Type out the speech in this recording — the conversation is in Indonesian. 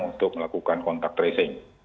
untuk melakukan contact tracing